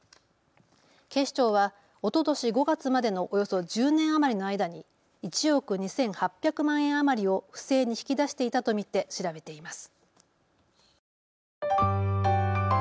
警視庁はおととし５月までのおよそ１０年余りの間に１億２８００万円余りを不正に引き出していたと見て調べています。